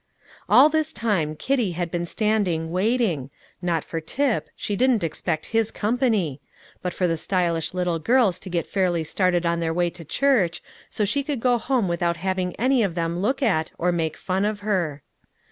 All this time Kitty had been standing waiting, not for Tip, she didn't expect his company, but for the stylish little girls to get fairly started on their way to church, so she could go home without having any of them look at or make fun of her.